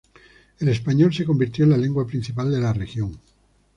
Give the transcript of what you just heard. El español se convirtió en la lengua principal de la región.